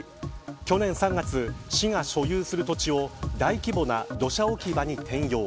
去年３月、市が所有する土地を大規模な土砂置き場に転用。